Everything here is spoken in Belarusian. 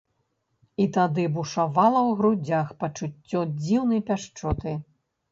І тады бушавала ў грудзях пачуццё дзіўнай пяшчоты.